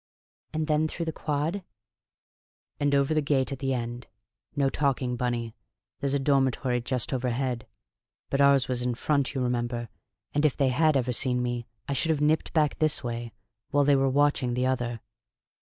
"And then through the quad " "And over the gates at the end. No talking, Bunny; there's a dormitory just overhead; but ours was in front, you remember, and if they had ever seen me I should have nipped back this way while they were watching the other."